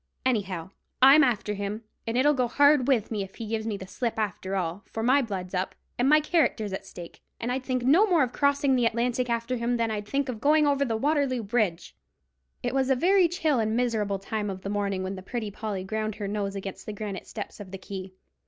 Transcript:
Anyhow, I'm after him, and it'll go hard with me if he gives me the slip after all, for my blood's up, and my character's at stake, and I'd think no more of crossing the Atlantic after him than I'd think of going over Waterloo Bridge!" It was a very chill and miserable time of the morning when the Pretty Polly ground her nose against the granite steps of the quay.